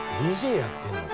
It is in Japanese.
ＤＪやってるの？